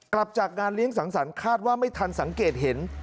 กลับจากงานเลี้ยงสังสรรค์คาดว่าไม่ทันสังเกตเห็น